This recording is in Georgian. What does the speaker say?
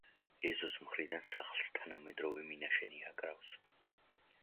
ეზოს მხრიდან სახლს თანამედროვე მინაშენი აკრავს.